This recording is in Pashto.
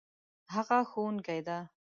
هغه ښوونکې ده